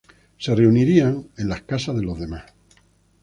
Se reunirían en las casas de los demás.